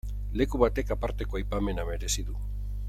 Leku batek aparteko aipamena merezi du.